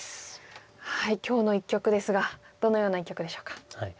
今日の一局ですがどのような一局でしょうか。